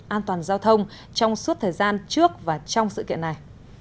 an toàn giao thông trong suốt thời gian trước và trong sự kiện này